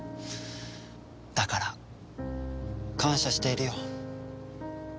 だから感謝しているよ。